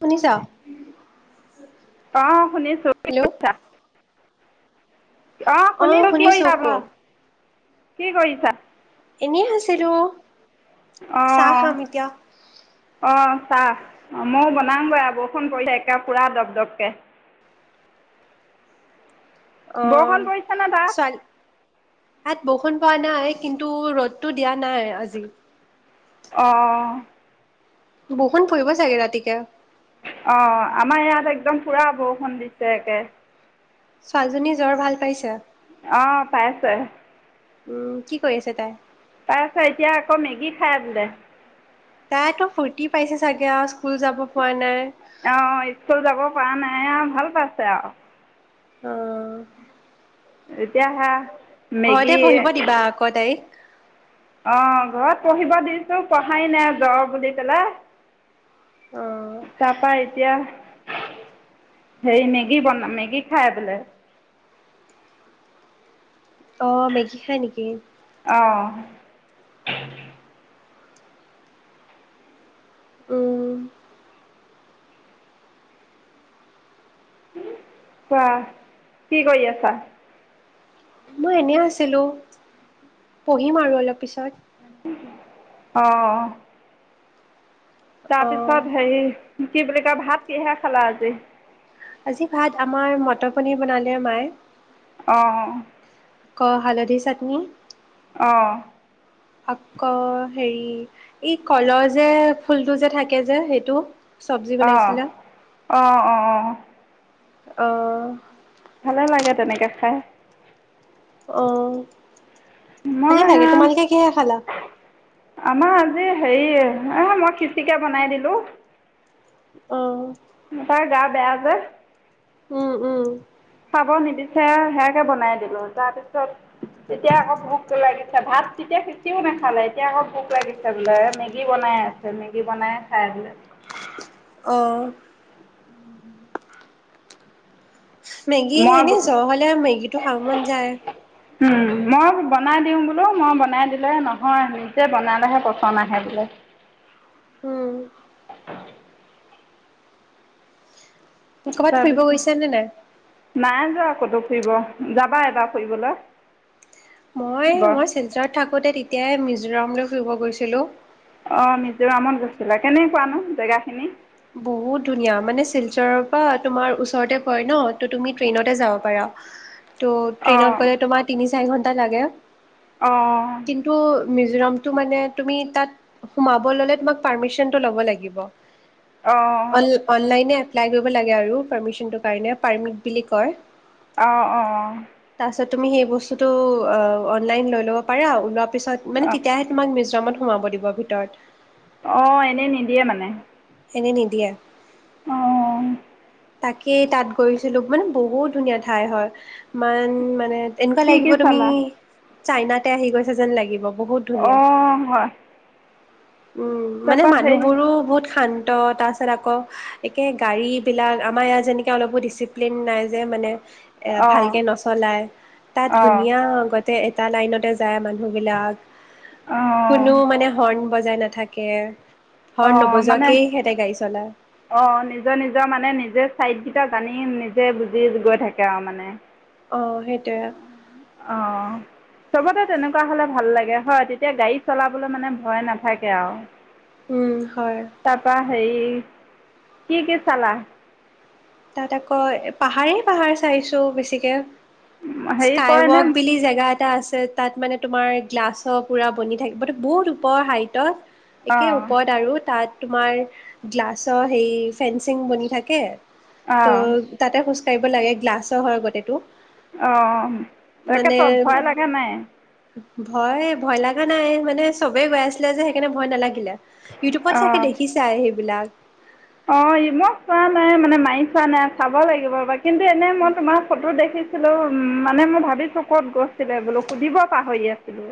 শুনিছা? অ শুনিছো, কি হেল্ল' কৰিছা। অ শুনিলো কি শুনিছো কৰিছা বুলো কোৱা। কি কৰিছা এনেই আছিলো চাহ আহ খাম এতিয়া। আহ চাহ মই বনাম গৈয়া বৰষুণ পৰিলে একে পুৰা দপ দপকৈ অ তাত ছো [unintelligible] বৰষুণ পোৱা নাই কিন্তু ৰ'দটো দিয়া নাই আজি অঁ বৰষুণ পৰিব চাগে ৰাতিকে অ আমাৰ ইয়াত একদম পুৰা বৰষুণ দিছে একে ছোৱালীজনীয়ে জ্বৰ ভাল পাইছে অ পাইছে উম কি কৰি আছে তাই তাই আছে এতিয়া আকৌ মেগী খাই বোলে তাইতো ফূৰ্তি পাইছে চাগে আও স্কুল যাব পোৱা নাই আহ স্কুল যাব পৰা নাই আৰু ভাল পাইছে আৰু আহ এতিয়া হে আহ ঘৰতে পঢ়িব দিবা আক তাইক আহ ঘৰত পঢ়িব দিছো পঢ়াই নাই জ্বৰ বুলি পেলাই অ' তাপা এতিয়া সেই মেগী বন মেগী খাই বোলে আহ মেগী খাই নেকি অঁ [unintelligible] উমম কোৱা কি কৰি আছা? মই এনে আছিলো পঢ়িম আৰু অলপ পিছত আহ অ' তাৰপিছত হেৰি কি বুলি ক তই ভাত কিহে খালা আজি? আজি ভাত আমাৰ মটৰ পনীৰ বনালে মায়ে আহ ক হালধি ছাতনি আহঁ আক হেৰি এই কলৰ যে ফুলটো যে থাকে যে সেইটো চব্জি অঁ বনাইছিলে অঁ অঁ অঁ আহ ভালে লাগে তেনেকৈ খাই আহ ভালে লাগে মই তোমালোকে কিহে খালা? আমাৰ আজি হেৰি হ মই খিচিকে বনাই দিলো অ তাৰ গা বেয়া যে উম উম খাব নিবিছাৰে সেয়াকে বনাই দিলো তাৰ পিছত এতিয়া আকৌ ভোক লাগিছে ভাত তেতিয়া খেটিও নাখালে এতিয়া আকৌ ভোক লাগিছে বোলে মেগী বনাই আছে মেগী বনাই খাই বোলে। আহ মেগী মই এনেই জ্বৰ হ'লে মেগীটো খাব মন যায়। মই বনাই দিওঁ বোলো মই বনাই দিলে নহয় নিজে বনালেহে পচন্দ আহে বোলে। উম কৰ'বাত ফুৰিব তাৰপিছত গৈছানে নাই। নাই যোৱা ক'তো ফুৰিব যাবা এবাৰ ফুৰিবলৈ মই গড় মই শিলচৰত থাকোতে তেতিয়াই মিজোৰামলৈ ফুৰিব গৈছিলো অ মিজোৰামত গৈছিলা কেনেকুৱানো জেগাখিনি বহুত ধুনীয়া মানে শিলচৰৰ পৰা তোমাৰ ওচৰতে পৰে ন ত তুমি ট্ৰেইনতে যাব পাৰা। ত' ট্ৰেইনত গ'লে তোমাৰ তিনি চাৰি। টা লাগে অ মিজোৰামৰ টো মানে তুমি তাত সোমাব ললে তুমি তাত পাৰমিচনটো লব লাগিব অঁ অ অনলাইনে। লাই কৰিব লাগে আৰু পাৰ্মিচনটো কাৰণে পাৰ্মিট বুলি কয়। অঁ অঁ। তাৰপিছত তুমি সেই বস্তুটো অনলাইন লৈ ল'ব পাৰাও। পিছত মানে অঁ তেতিয়াহে তোমাক মিজোৰামত। সোমাব দিব ভিতৰত। অ এনেই নিদিয়ে মানে। এনেই নিদিয়ে। অ। তাকেই তাত গৈছিলো মানে বহুত ধুনীয়া ঠাই হয়। মান মানে এনেকুৱা কি লাগিব কি তুমি। চালা চাইনাতে আহি গৈছে যেন লাগিব। বহুত ধুনীয়া। অঁ হয় উম মানে তাৰপৰা হেৰি মানুহবোৰো বহুত। শান্ত তাৰপিছত আকৌ একে গাড়ীবিলাক আমাৰ ইয়াত যেনেকৈ অলপো ডিচিপ্লিন নাই যে মানে। এ অঁ ভালকে নচলাই তাত অঁ ধুনীয়া আগতে। এটা লাইনতে মানুহ বিলাক অঁ কোনো মানে হৰ্ণ বজাই না। থাকে। হৰ্ন নবজোৱাকে। অ নিজৰ, নিজৰ মানে নিজে চাইড দি এয়া জানি নিজে বুজি গৈ থাকে আৰু মানে। অ সেইটোৱে অঁ। চবতে তেনেকুৱা হলে ভাল লাগে হয় তেতিয়া গাড়ী চলাবলৈ মানে ভয় নাথাকে আৰু। উম হয়। সেই কি কি চালা? তাত আকৌ পাহাৰেই পাহাৰ চাইছো বেছিকে। হেৰি পৰেনে স্কাইৱক বুলি জেগা এটা আছে। তাত মানে তোমাৰ গ্লাছৰ পুৰা বনি থাকিব বহুত ওপৰ হাইটত। একে অঁ ওপৰত আৰু তাত। তোমাৰ গ্লাছৰ হেৰি ফেঞ্চিং বনি থাকে। ত' অঁ তাতে খোজ [unintelligible] চিব লাগে গ্লাছৰ হয় গোটেইটো। অ তাতে মানে ভয় লাগে নাই। ভয় ভয় লগা নাই মানে চবেই গৈ আছিলে যে সেইকাৰণে ভয় নালাগিলে ইউটিউবত চাগে দেখি চাই বিলাক অ মই চোৱা নাই মানে মাৰি চোৱা নাই চাব লাগিব ব কিন্তু এনেই মই তোমাৰ ফটো দেখিছো। ছিলো উম মানে মই ভাবিছো ক'ত গৈছিলে বোলো সুধিব পাহৰি আছিলো।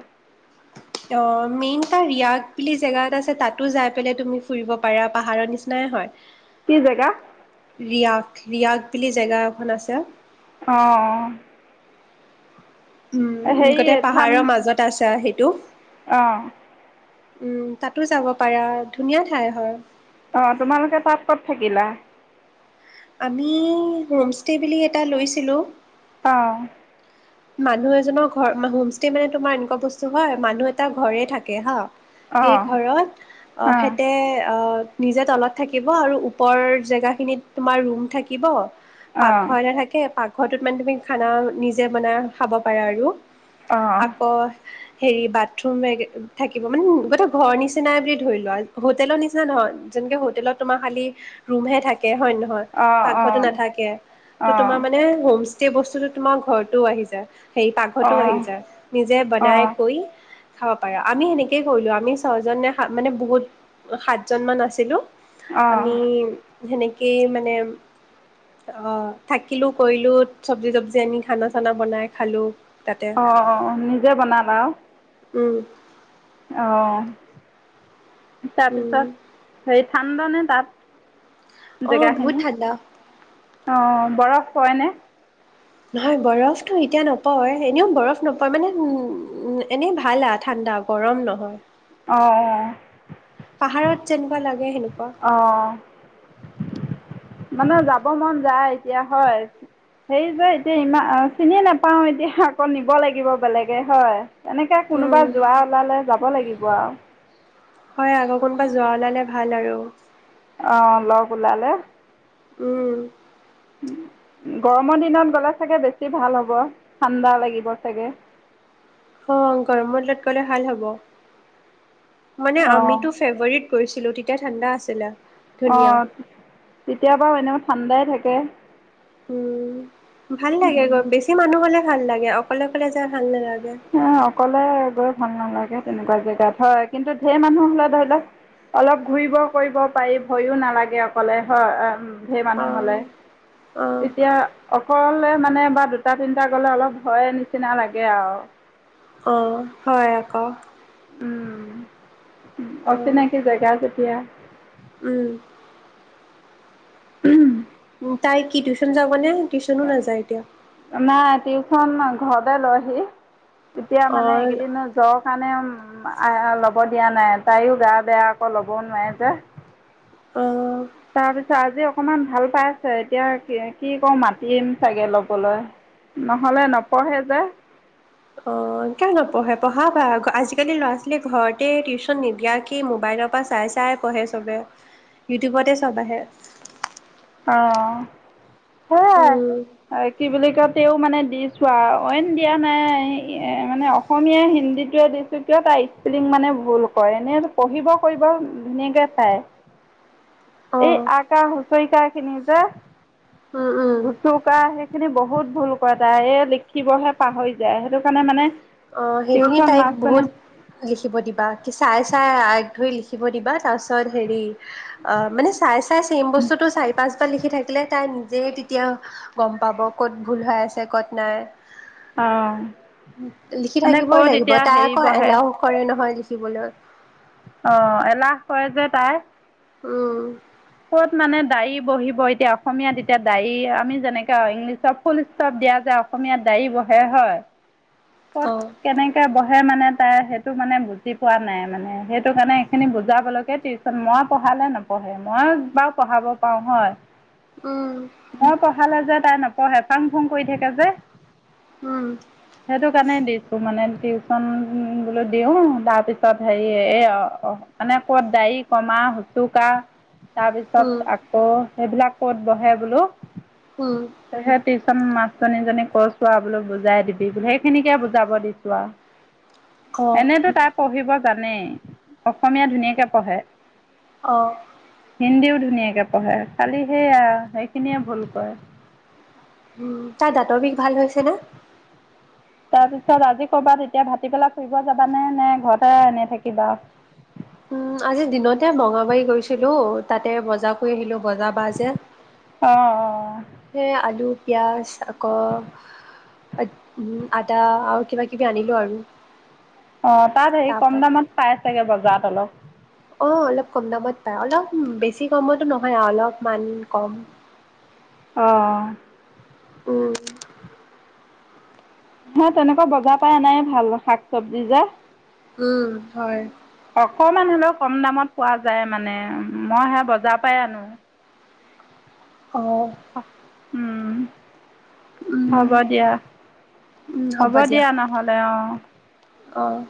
অ মেইন তা ৰিয়াগ বুলি জেগাত এটা আছে তাতো যাই পেলই তুমি ফুৰিব পাৰা পাহাৰৰ নিচিনাই হয় কি জেগা ৰিয়াগ জেগা এখন আছে অঁ অঁ উম হেৰি গোটেই পাহাৰৰ মাজত আছে সি টো আহঁ উম তাতো যাব পাৰা ধুনীয়া ঠাই হয় অ তোমালোকে তাত ক'ত থাকিলা আমি হোম ষ্টে বুলি এটা লৈছিলোঁ অ মানুহ এজনৰ ঘৰ হোমষ্টে মানে তোমাৰ এনেকুৱা বস্তু হয় মানুহ এটা ঘৰে থাকে হা সেই অঁ ঘৰত আহ অঁ সঁতে আহ নিজে তলত থাকিব আৰু ওপৰৰ জেগাখিনিত তোমাৰ ৰুম থাকিব অঁ পাকঘৰ নাথাকে পাক ঘৰটোত মানে তুমি খানা নিজে, মানে খাব পাৰে আৰু। অঁ আকৌ, হেৰি বাথৰুম থাকিব মানে গোটেই ঘৰ নিচিনাই বুলি ধৰি লোৱা হোটেলৰ নিচিনা নহয় যেনেকে হোটেলত তোমাৰ খালি ৰুম হে থাকে। হয় নহয় অঁ অঁ অঁ পাকঘৰতটো নাথাকে ত তোমাৰ মানে হ সেই বস্তুতো তোমাৰ ঘৰত। টো আহি যা। সেই পাকঘতো অঁ আহি যায় নিজে অঁ বনাই কৈ, খাব পাৰো আমি সেনেকেইে কৰিলো আমি ছয়জননে হাত মানে বহুত সাতজন মান আছিলো। অঁ আমি, সেনেকেই মানে অ থাকিলো কৰিলো চাবজি তবজি আনি। খানা চানা বনাই খালোঁ। তাতে অঁ অ নিজে বনালা আৰু? উম, আহ তাৰপিছত উম। সেই, ঠাণ্ডা নে তাত? অ', বহুত জেগাখিনি ঠাণ্ডা। অ'। বৰফ পৰেনে? নহয় বৰফতটো এতিয়া নপৰে এনেও বৰফ নপৰে মানে উ এনেই ভাল আও ঠাণ্ডা গৰম নহয়। অ, অ, পাহাৰত যেনেকুৱা লাগে সেনেকুৱা? অ' মানে যাব মন যায় এতিয়া হয় হেৰি যে এতিয়া ইমান চিনি নোপাওঁ এতিয়া আকৌ নিব লাগিব বেলেগে হয়। এনেকে উম। কোনোবা যোৱা ওলালে যাব লাগিব আৰু। হয় আগৰ কোনোবা যোৱা ওলালে ভাল আৰু অ' লগ ওলালে। উম, গৰমৰ দিনত গ'লে চাগে বেছি ভাল হ'ব ঠাণ্ডা লাগিব চাগে। অ' গৰমৰ দলত গলে ভাল হ'ব। মানে অঁ আমিটো ফেব্ৰুৱাৰীত গৈছিলোঁ। এতিয়া ঠাণ্ডা আছিলে। ধুনীয়া, অ' তেতিয়া বাৰু এনেও ঠাণ্ডা। ঠাণ্ডাই থাকে। উম, ভাল লাগে গৈ বেছি মানুহ হ'লে। ভাল লাগে অকলে অকলে যাই ভাল নালাগে। হ' অকলে গৈ ভাল নালাগে। তেনেকুৱা জেগাত হয় কিন্তু ঢেৰ মানুহ হলে ধৰি লওক অলপ ঘূৰিব কৰিব পাৰি ভয়ো নালাগে অকলে হয় ঢেৰ মানুহ অ', হ'লে। অ', এতিয়া অকলে মানে বা দুটা তিনটা গলে অলপ ভয়ে নিচিনা লাগে আৰু। অ' হয় আকৌ। উম, অ', অচিনাকি জেগা যেতিয়া উম, উ তাই কি টিউচন যাব নে? টিউশনো নাযায় এতিয়া। ন ঘৰতে লয়হি। এতিয়া মানে অল এইকেইদিন জ্বৰ কাৰণে আও। ল'ব দিয়া নাই তাইও গা বেয়া আকৌ ল'ব নোৱাৰে যে। অ তাৰপিছত আজি অকমান ভাল পাইছে এতিয়া কি কৰো মাতিম চাগে লবলৈ নহলে নপঢ়ে যে। অ' কিয় নপঢ়ে পঢ়া বা আজিকালি ল'ৰা ছোৱালী ঘৰতে টিউচন নিদিয়া কে মোবাইলৰ পৰা চাই চাই পঢ়ে চবে ইউটিউবতে চব আহে। অ', উম সেয়াই কি বুলি কয়। তেওঁ মানে দিছোআও অইন দিয়া নাই, মানে অসমীয়া হিন্দীটোৱে দিছো কিয় তাৰ স্পেলিং মানে ভুল কৰে এনেই পঢ়িব কৰিব ধুনীয়াকে পাৰে অ এই আকা হুচৰিকাৰ খিনি যে উম উম গুচুকা সেইখিনি বহুত ভুল কৰা তাই এই লিখিবহে পাহৰি যায় সেইটো কাৰণে মানে অ সেইখিনি টিউচন তাইক মাষ্টৰনী বহুত লিখিব দিবা কি চাই চাই ধৰি লখ লিখিব দিবা তাৰ পিছত হেৰি অ মানে অ চাই চাই ছেম বস্তুটো চাৰি পাঁচ তই লিখি থাকিলে তাই নিজেই তেতিয়া গম পাব ক'ত ভুল হৈ আছে ক'ত নাই অ লিখি থাকিবই লাগিব তাৰ আকৌ এলাও কৰে নহয় শিকিবলৈ অ এলাহ কৰে যে তাই উম ক'ত মানে ডায়ৰী বহিব এতিয়া অসমীয়াত এতিয়া ডায়ৰী আমি যেনেকাে ইংলিছত ফুল ষ্টপ দিয়া যে অসমীয়াত ডায়েৰী বহে হয় কত উম কেনেকে বহে মানে তাই সেইটো মানে বুজি পোৱা নাই মানে সেইটো কাৰণে এইখিনি বুজাবলৈকে টিউচন মই পঢ়ালে নপঢ়ে ময়ো বাৰু পঢ়াব পাৰো হয় মই পঢ়ালে যে তাই নপঢ়ে ফাং ফুং কৰি থাকে যে উম সেইটো কাৰণে দিছো মানে টিউচন বোলো দিওঁ তাৰপিছত হেৰি এই এনে ক'ত দাড়ি কমা হুচুকা তাৰ পিছত উম আকৌ সেইবিলাক ক'ত বহে বোলো উম সে টিউচন মাছটৰে জনীজনী কছ প বলৈ বুজাই দিবি বোলে [unintelligible] খিনিকে বুজাব দিছোঁ আৰু। অ এনেতো তাই পঢ়িব। জানেই, অসমীয়া ধুনীয়াকে পঢ়ে। অঁ। হিন্দীও ধুনীয়াকে পঢ়ে, খালি সেয়া সেইখিনিয়ে ভুল কৰে। তাই দাতৰ বিষ ভাল হৈছে নে। তাৰ পিছত আজি কৰবাত এতিয়া ভতি বেলা ফুৰিব যাবানে নে, ঘৰতে এনেই থাকিবা। উ আজি দিনতে বঙাবাৰী গৈছিলো, তাতে বজা কৰি আহিলো। বজা বা যে, অ অ সে আলু। পিঁয়াজ আকৌ আদা আৰু কিবা কিবি আনিলোঁ আৰু। অ তাত হেৰি তাৰ কম পৰাই দামত পাই চাগে বাৰু। যাত তলত। অ, অলপ কম দামত। অলপ বেছি কমতো নহয় আৰু অলপমান কম। অঁ। উম। হ তেনেকুৱা বজাৰ পাই এ নাই ভাল, শাক চবজি যে। উম', হয়। অমান হ'লেও কম দামত পোৱা যায় মানে, মই সে বজাৰৰ পৰাই আনো। অ', উম ', হ'ব উম দিয়া। হ'ব দিয়া নহ'লে অ', আহ',